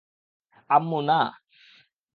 আম্মু, না!